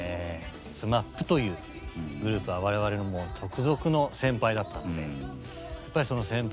ＳＭＡＰというグループは我々のもう直属の先輩だったのでやっぱりその先輩